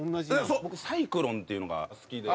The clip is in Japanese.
そう僕サイクロンっていうのが好きで。